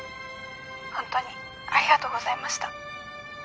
ほんとにありがとうございました。